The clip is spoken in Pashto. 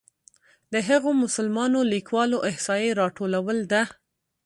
د هغو مسلمانو لیکوالو احصایې راټولول ده.